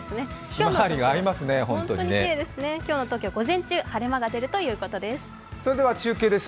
今日の東京、午前中晴れ間が出るということです。